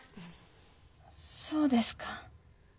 そうですか。